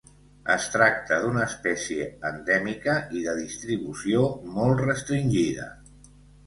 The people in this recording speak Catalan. Es tracta d'una espècie endèmica i de distribució molt restringida.